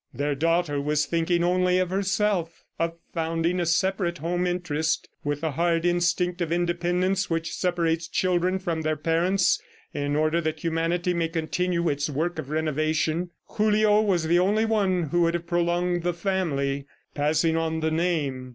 Their daughter was thinking only of herself, of founding a separate home interest with the hard instinct of independence which separates children from their parents in order that humanity may continue its work of renovation. Julio was the only one who would have prolonged the family, passing on the name.